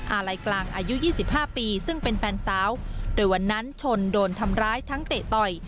อะไรกลางอายุ๒๕ปีซึ่งเป็นแฟนสาวโดยวันนั้นชนโดนทำร้ายทั้งเตะต่อย